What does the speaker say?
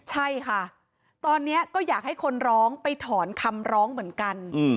ใช่ค่ะตอนนี้ก็อยากให้คนร้องไปถอนคำร้องเหมือนกัน